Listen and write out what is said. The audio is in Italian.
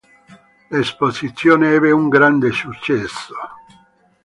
L'esposizione ebbe un grande successo.